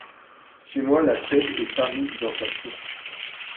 Chez moi la séve est tarie dans sa source.